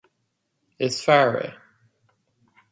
is fear é